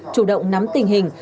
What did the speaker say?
chủ động nắm tình hình